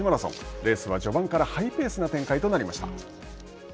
レースは序盤からハイペースな展開となりました。